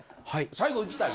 はい。